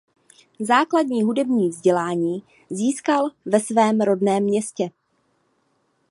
Základní hudební vzdělání získal ve svém rodném městě.